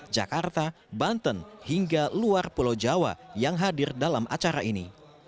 jakarta banten hingga luar pulau jawa yang hadir dalam acara ini